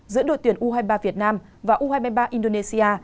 giữa đội tuyển u hai mươi ba việt nam và u hai mươi ba indonesia